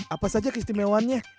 apa saja keistimewaannya